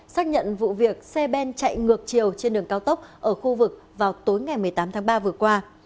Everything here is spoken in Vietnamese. xác nhận vụ việc xe ben chạy ngược chiều trên đường cao tốc ở khu vực vào tối ngày một mươi tám tháng ba vừa qua